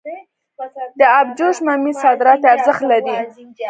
د ابجوش ممیز صادراتي ارزښت لري.